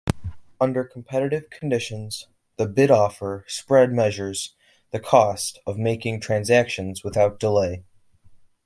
Under competitive conditions, the bid-offer spread measures the cost of making transactions without delay.